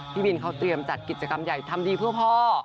พี่บินเขาเตรียมจัดกิจกรรมใหญ่ทำดีเพื่อพ่อ